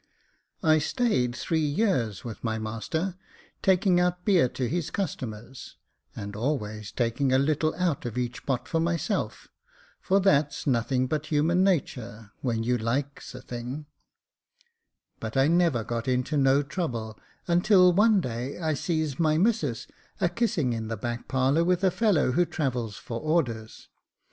I stayed three years with my master, taking out beer to his customers, and always taking a little out of each pot for myself, for that's nothing but human natur, when you likes a thing ; but I never got into no trouble until one day I sees my missus a kissing in Jacob Faithful 205 the back parlour with a fellow who travels for orders.